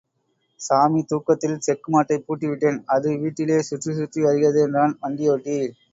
சாமி தூக்கத்தில் செக்கு மாட்டைப் பூட்டிவிட்டேன், அது வீட்டிலே சுற்றிச் சுற்றி வருகிறது என்றான் வண்டியோட்டி.